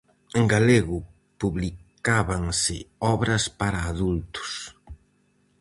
En galego publicábanse obras para adultos.